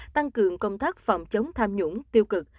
tăng cường công tác phòng chống tham nhũng tiêu cực